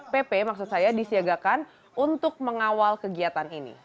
pp maksud saya disiagakan untuk mengawal kegiatan ini